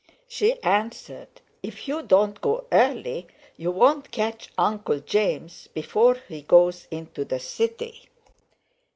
She answered: "If you don't go early, you won't catch Uncle James before he goes into the City."